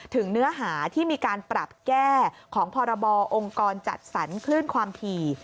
เนื้อหาที่มีการปรับแก้ของพรบองค์กรจัดสรรคลื่นความถี่